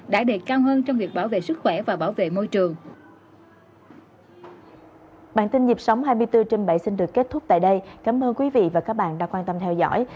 đã đề cao hơn trong việc bảo vệ sức khỏe và bảo vệ môi trường